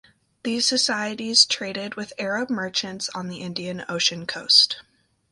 These societies traded with Arab merchants on the Indian Ocean coast.